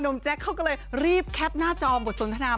แจ๊คเขาก็เลยรีบแคปหน้าจอบทสนทนา